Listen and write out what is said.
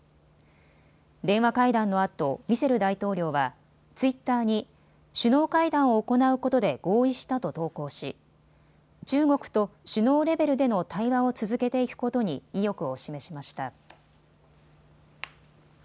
電話会談のあとミシェル大統領はツイッターに首脳会談を行うことで合意したと投稿し、中国と首脳レベルでの対話を続けていくことに意欲を示しました。